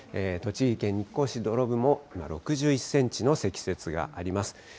栃木県日光市土呂部も６１センチの積雪があります。